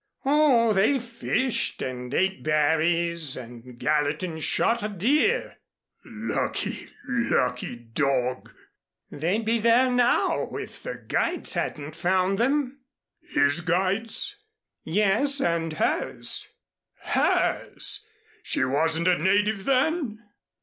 "Oh, they fished and ate berries, and Gallatin shot a deer." "Lucky, lucky dog!" "They'd be there now, if the guides hadn't found them." "His guides?" "Yes, and hers." "Hers! She wasn't a native then?"